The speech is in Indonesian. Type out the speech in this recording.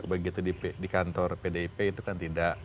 begitu di kantor pdip itu kan tidak